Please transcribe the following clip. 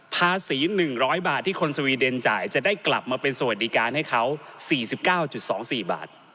ภาษี๑๐๐บาทที่คนสวีเดนจ่ายจะได้กลับมาเป็นสวัสดิการให้เขา๔๙๒๔บาท